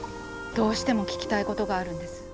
どうしても聞きたいことがあるんです。